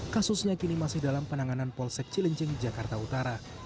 kasusnya kini masih dalam penanganan polsek cilincing jakarta utara